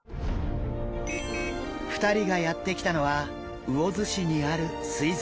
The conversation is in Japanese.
２人がやって来たのは魚津市にある水族館。